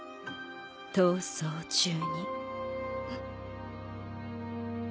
逃走中に。